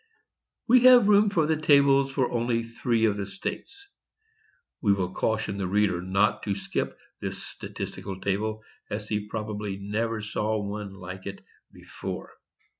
"We have room for the tables for only three of the states." [We will caution the reader not to skip this statistical table, as he probably never saw one like it before.